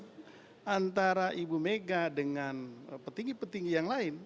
sementara ibu mega dengan petinggi petinggi yang lain